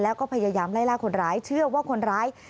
แล้วก็พยายามไล่ล่าคนร้ายเชื่อว่าคนร้าย